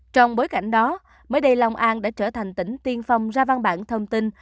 trong bối cảnh đó mới đây long an đã trở thành tỉnh tiên phong ra văn bản thông tin